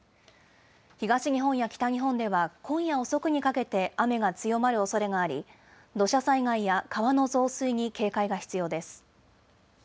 東日本や北日本では今夜遅くにかけて、雨が強まるおそれがあり、土砂災害や川の増水に警戒が必要です。